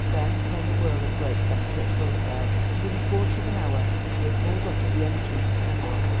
Then came a whirl of great gas lit thoroughfares, and in a quarter of an hour they pulled up at the entrance to the House.